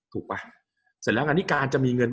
กับการสตรีมเมอร์หรือการทำอะไรอย่างเงี้ย